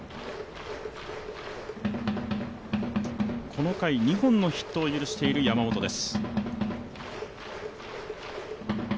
この回、２本のヒットを許している山本です。